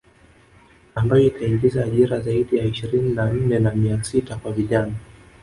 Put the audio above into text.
Ambayo itaingiza ajira zaidi ya ishirini na nne na mia sita kwa vijana